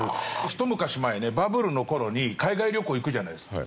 ひと昔前ねバブルの頃に海外旅行行くじゃないですか。